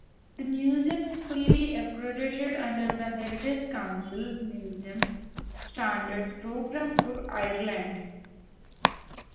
The Museum is fully accredited under The Heritage Council's Museum Standards Programme for Ireland.